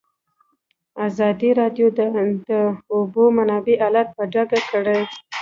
ازادي راډیو د د اوبو منابع حالت په ډاګه کړی.